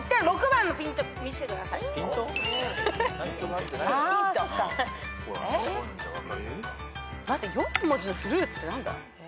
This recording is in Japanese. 待って４文字のフルーツって何だ？